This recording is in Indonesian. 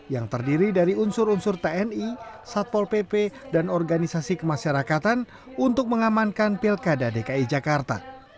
yang terdiri dari unsur unsur tni satpol pp dan organisasi kemasyarakatan untuk mengamankan pilkada dki jakarta